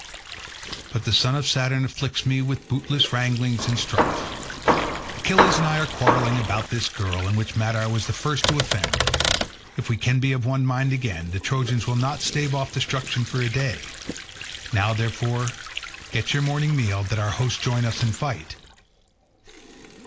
But the son of Saturn afflicts me with bootless wranglings and strife. Achilles and I are quarrelling about this girl, in which matter I was the first to offend; if we can be of one mind again, the Trojans will not stave off destruction for a day. Now, therefore, get your morning meal, that our hosts join in fight.